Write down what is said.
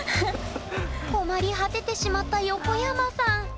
困り果ててしまった横山さん。